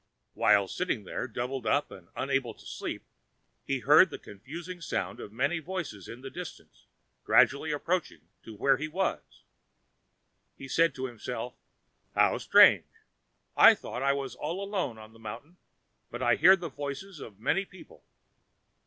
While sitting there doubled up and unable to sleep, he heard the confused sound of many voices in the distance gradually approaching to where he was. He said to himself: "How strange! I thought I was all alone in the mountain, but I hear the voices of many people."